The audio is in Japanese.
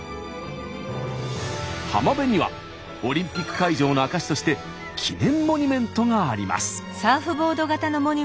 浜辺にはオリンピック会場の証しとして記念モニュメントがあります。